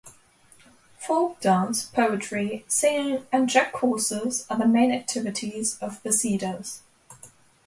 Folk dance, poetry, singing and Czech courses are the main activities of Beseda's.